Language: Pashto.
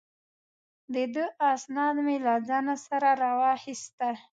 د ده اسناد مې له ځان سره را واخیستل.